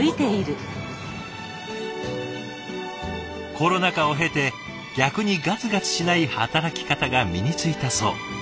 コロナ禍を経て逆にガツガツしない働き方が身についたそう。